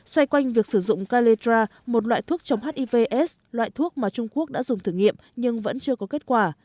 xoay quanh việc sử dụng caledra một loại thuốc chống hiv s loại thuốc mà trung quốc đã dùng thử nghiệm nhưng vẫn chưa có kết quả